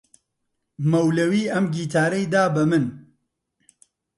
مەولەوی ئەم گیتارەی دا بە من.